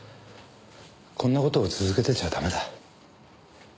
こんな事を続けてちゃダメだ。